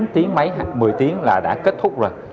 chín tiếng mấy hay một mươi tiếng là đã kết thúc rồi